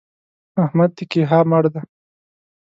احمد د کيها مړ دی!